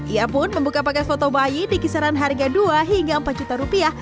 ia pun membuka paket foto bayi di kisaran harga dua hingga empat juta rupiah